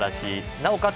なおかつ